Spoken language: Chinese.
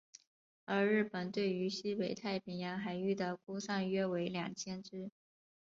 而日本对于西北太平洋海域的估算约为二千只。